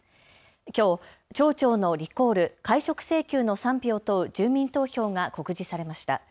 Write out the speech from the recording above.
きょう、町長のリコール・解職請求の賛否を問う住民投票が告示されました。